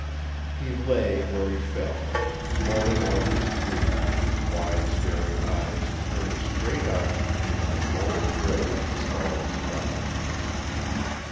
He lay where he fell, moaning out his grief with his wide staring eyes turned straight up into the cold gray of the starless sky.